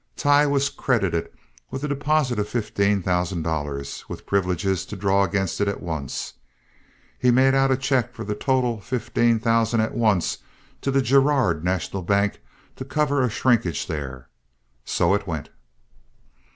Tighe was credited with a deposit of fifteen thousand dollars, with privilege to draw against it at once. He made out a check for the total fifteen thousand at once to the Girard National Bank to cover a shrinkage there. So it went.